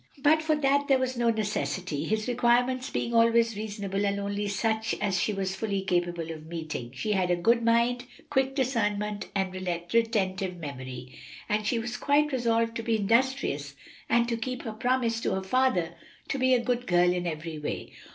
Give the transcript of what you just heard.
But for that there was no necessity, his requirements being always reasonable and only such as she was fully capable of meeting. She had a good mind, quick discernment and retentive memory, and she was quite resolved to be industrious and to keep her promise to her father to be a good girl in every way.